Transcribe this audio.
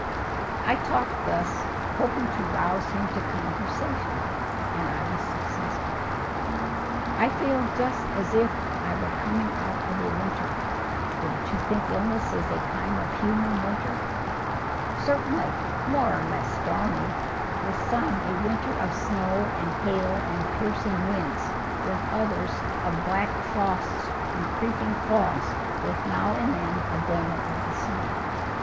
I talked thus, hoping to rouse him to conversation, and I was successful. "I feel just as if I were coming out of a winter. Don't you think illness is a kind of human winter?" "Certainly—more or less stormy. With some a winter of snow and hail and piercing winds; with others of black frosts and creeping fogs, with now and then a glimmer of the sun."